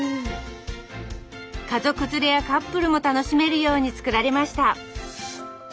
家族連れやカップルも楽しめるように造られました。